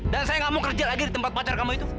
dan saya gak mau kerja lagi di tempat pacar kamu itu